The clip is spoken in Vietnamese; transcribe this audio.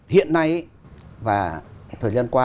hiện nay và thời gian qua